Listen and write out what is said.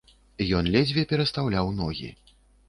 Ён ледзьве перастаўляў ногі.